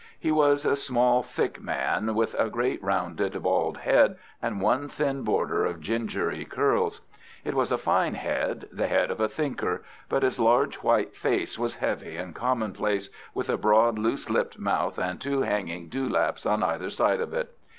He was a small, thick man, with a great rounded, bald head and one thin border of gingery curls. It was a fine head, the head of a thinker, but his large white face was heavy and commonplace, with a broad, loose lipped mouth and two hanging dewlaps on either side of it.